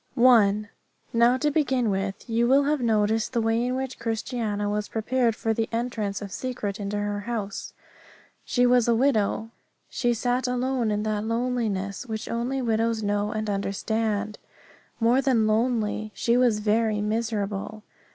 1. Now, to begin with, you will have noticed the way in which Christiana was prepared for the entrance of Secret into her house. She was a widow. She sat alone in that loneliness which only widows know and understand. More than lonely, she was very miserable.